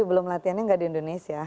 kalau melatihannya nggak di indonesia